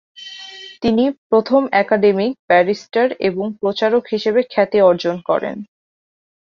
তিনি প্রথম academic, barrister এবং প্রচারক হিসাবে খ্যাতি অর্জন করেন।